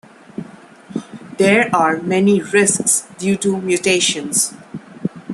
There are many risks due to mutations.